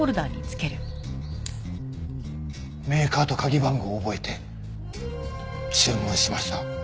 メーカーと鍵番号を覚えて注文しました。